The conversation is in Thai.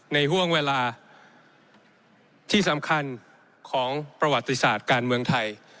ห่วงเวลาที่สำคัญของประวัติศาสตร์การเมืองไทย